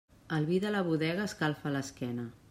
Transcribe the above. El vi de la bodega escalfa l'esquena.